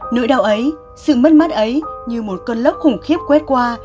nỗi đau ấy sự mất mát ấy như một cơn lốc khủng khiếp quét qua